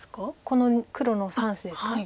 この黒の３子ですか？